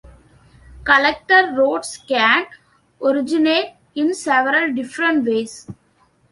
Collector roads can originate in several different ways.